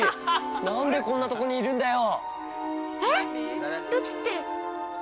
何でこんなところにいるんだよ。